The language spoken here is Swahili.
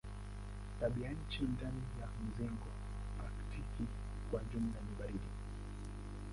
Tabianchi ndani ya mzingo aktiki kwa jumla ni baridi.